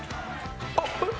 あっえっ！